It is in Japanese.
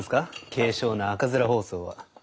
軽症の赤面疱瘡は。